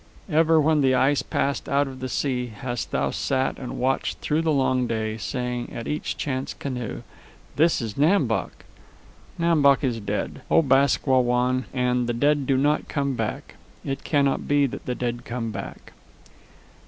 "Ever when the ice passed out of the sea hast thou sat and watched through the long day, saying at each chance canoe, 'This is Nam Bok.' Nam Bok is dead, O Bask Wah Wan, and the dead do not come back. It cannot be that the dead come back."